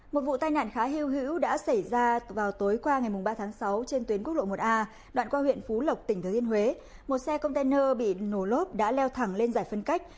một vụ tai nạn khá hiêu hữu đã xảy ra vào tối qua ngày ba tháng sáu trên tuyến quốc lộ một a đoạn qua huyện phú lộc tỉnh thừa thiên huế một xe container bị nổ lốp đã leo thẳng lên giải phân cách